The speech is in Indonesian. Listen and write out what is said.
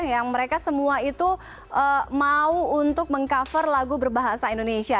yang mereka semua itu mau untuk meng cover lagu berbahasa indonesia